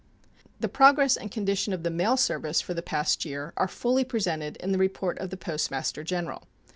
The progress and condition of the mail service for the past year are fully presented in the report of the Postmaster General.